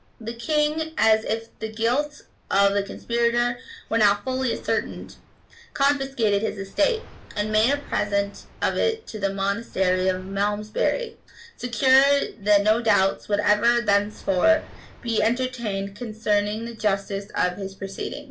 The king, as if the guilt, of the conspirator were now fully ascertained, confiscated his estate, and made a present of it to the monastery of Malmesbury,[*] secure that no doubts would ever thenceforth be entertained concerning the justice of his proceedings.